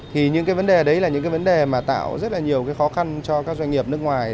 thì những cái vấn đề đấy là những cái vấn đề mà tạo rất là nhiều cái khó khăn cho các doanh nghiệp nước ngoài